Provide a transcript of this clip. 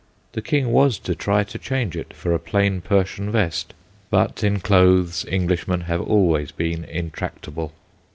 The King was to try to change it for a plain Persian vest, but in clothes English men have been always intractable.